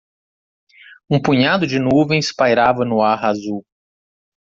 Um punhado de nuvens pairava no ar azul.